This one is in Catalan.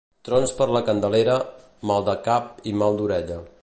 Trons per la Candelera, mal de cap i mal d'orella.